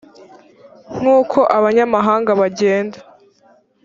nk uko abanyamahanga bagenda